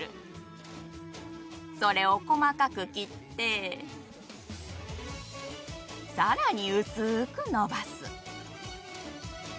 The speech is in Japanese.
それを細かく切ってさらに薄く伸ばす。